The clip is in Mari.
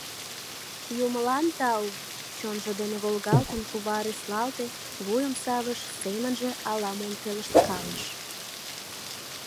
Юмылан тау... — чонжо дене волгалтын, кува ыреслалте, вуйым савыш, семынже ала-мом пелешткалыш.